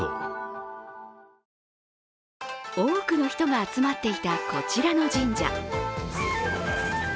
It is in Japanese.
多くの人が集まっていたこちらの神社。